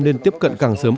nên tiếp cận càng sớm